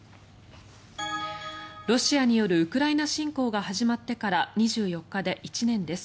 ロシアによるウクライナ侵攻が始まってから２４日で１年です。